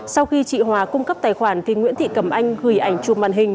sau khi chị hòa cung cấp tài khoản thì nguyễn thị cẩm anh gửi ảnh chụp màn hình